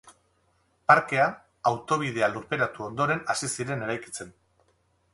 Parkea autobidea lurperatu ondoren hasi ziren eraikitzen.